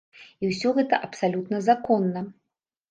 І ўсё гэта абсалютна законна.